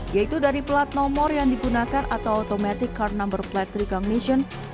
yaitu dari plat nomor yang digunakan atau automatic car number plat recognition